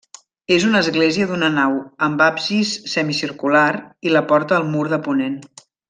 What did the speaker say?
És una església d'una nau, amb absis semicircular, i la porta al mur de ponent.